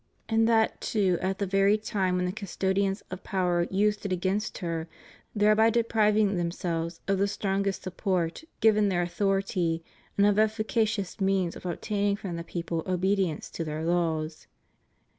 And that too at the very time when the custodians of power used it against her, thereby depriving themselves of the strongest sup port given their authority and of efficacious means of obtaining from the people obedience to their laws.